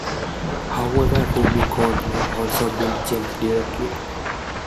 However, Ruby code may also build Gems directly.